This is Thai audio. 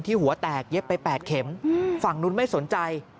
หัวแตกเย็บไป๘เข็มฝั่งนู้นไม่สนใจ